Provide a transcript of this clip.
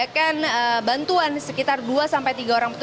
untuk mengakomodir dan juga memberikan informasi kepada para penumpang verdi